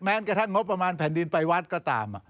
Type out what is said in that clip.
กระทั่งงบประมาณแผ่นดินไปวัดก็ตาม